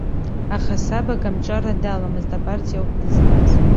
Аха саб акомҿарра даламызт, апартиа ауп дызлаз.